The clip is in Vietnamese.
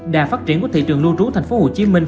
đà phát triển của thị trường lưu trú thành phố hồ chí minh